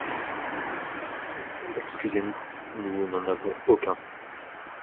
Excusez-nous, nous n’en avons aucun.